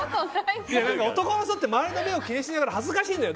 男の人って周りの目を気にしながら恥ずかしいのよ。